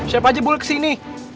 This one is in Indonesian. siapa aja boleh kesini